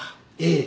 ええ。